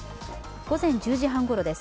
午前１０時半ごろです。